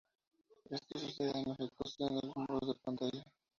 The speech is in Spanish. Esto sucede en la ejecución de los muros pantalla.